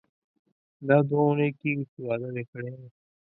دا دوه اونۍ کیږي چې واده مې کړی دی.